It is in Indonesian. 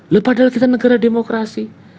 lepadalah kita negara demokrasi